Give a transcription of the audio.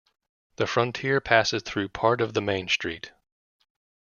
The frontier passes through part of the main street.